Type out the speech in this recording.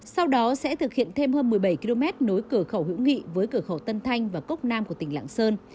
sau đó sẽ thực hiện thêm hơn một mươi bảy km nối cửa khẩu hữu nghị với cửa khẩu tân thanh và cốc nam của tỉnh lạng sơn